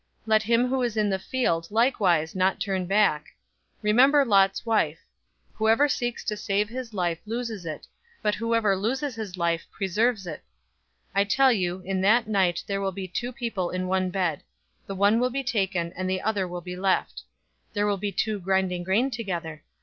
Let him who is in the field likewise not turn back. 017:032 Remember Lot's wife! 017:033 Whoever seeks to save his life loses it, but whoever loses his life preserves it. 017:034 I tell you, in that night there will be two people in one bed. The one will be taken, and the other will be left. 017:035 There will be two grinding grain together.